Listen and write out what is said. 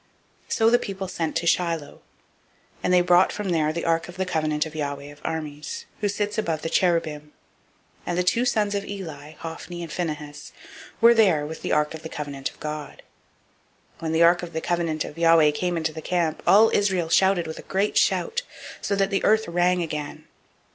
004:004 So the people sent to Shiloh; and they brought from there the ark of the covenant of Yahweh of Armies, who sits [above] the cherubim: and the two sons of Eli, Hophni and Phinehas, were there with the ark of the covenant of God. 004:005 When the ark of the covenant of Yahweh came into the camp, all Israel shouted with a great shout, so that the earth rang again.